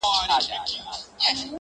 o گيلگى د موږي په زور غورځي٫